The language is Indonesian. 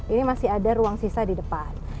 ini masih ada ruang sisa di depan